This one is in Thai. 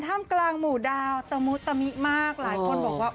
ท่ามกลางหมู่ดาวตะมุตมิมากหลายคนบอกว่า